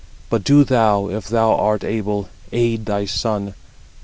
But do thou, if thou art able, aid thy son.